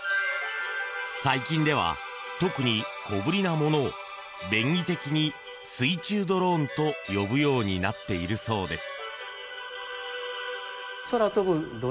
最近では特に小ぶりなものを便宜的に水中ドローンと呼ぶようになっているそうです。